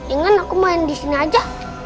ini kan aku main disini aja